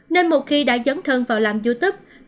nên một khi đã dấn thân vào làm youtube